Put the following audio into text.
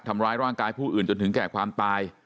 ทำร้ายร่างกายผู้อื่นจนถึงแก่ความตาย